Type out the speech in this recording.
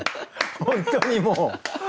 本当にもう。